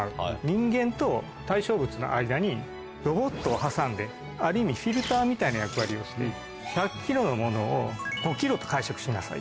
人間と対象物の間にロボットを挟んである意味フィルターみたいな役割をして１００ｋｇのものを５ｋｇと解釈しなさいと。